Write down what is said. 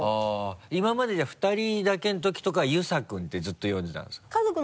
今までじゃあ２人だけのときとかは「遊佐君」ってずっと呼んでたんですか？